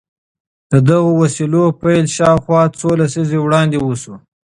د دغو وسيلو پيل شاوخوا څو لسيزې وړاندې وشو.